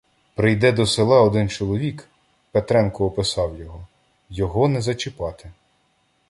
Прийде до села один чоловік, — Петренко описав його, — його не зачіпати.